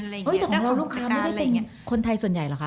ตกลงแล้วลูกค้าไม่ได้เป็นคนไทยส่วนใหญ่เหรอคะ